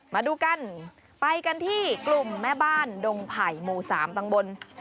มาดูกันไปกันที่กลุ่มแม่บ้านดงไผ่หมู่๓ตำบล